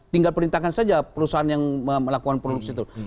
tinggal perintahkan saja perusahaan yang memasuki